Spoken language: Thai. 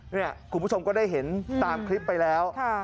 นี่คุณผู้ชมก็ได้เห็นตามคลิปไปแล้ว